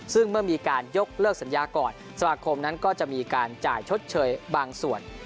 ซึ่งเมื่อมีการยกเลิกสัญญาก่อนสมาคมนั้นก็จะมีการจ่ายชดเชยบางส่วน